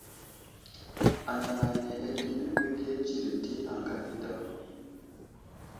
Anaŋ ane atəmeŋ məgiya dzire di aŋga anidaw.